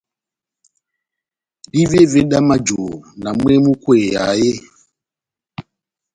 Dívévé dá majohó na mwehé múkweyaha eeeh ?